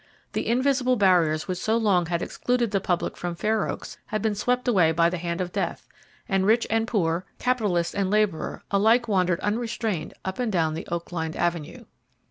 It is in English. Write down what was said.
The invisible barriers which so long had excluded the public from Fair Oaks had been swept away by the hand of death, and rich and poor, capitalist and laborer, alike wandered unrestrained up and down the oak lined avenue.